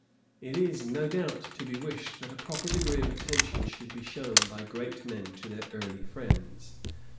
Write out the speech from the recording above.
It is, no doubt, to be wished that a proper degree of attention should be shewn by great men to their early friends.